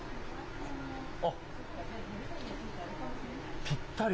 あっ、ぴったり。